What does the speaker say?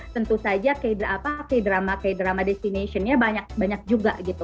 tentu saja k drama destination nya banyak juga